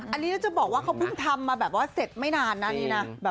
อันนี้แล้วจะบอกว่าเขาเพิ่งทำมาแบบว่าเสร็จไม่นานนะนี่นะ